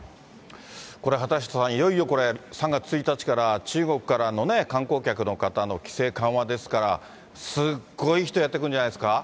これ、畑下さん、いよいよこれ、３月１日から、中国からの観光客の方の規制緩和ですから、すごい人やってくるんじゃないですか。